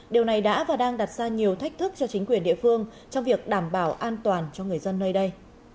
điều này đã và đang đặt ra nhiều thách thức cho chính quyền địa phương trong việc đảm bảo an toàn cho người dân nơi đây